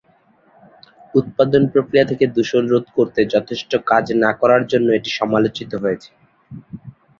উৎপাদন প্রক্রিয়া থেকে দূষণ রোধ করতে যথেষ্ট কাজ না করার জন্য এটি সমালোচিত হয়েছে।